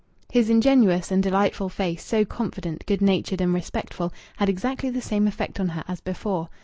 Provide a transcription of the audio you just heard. His ingenuous and delightful face, so confident, good natured, and respectful, had exactly the same effect on her as before.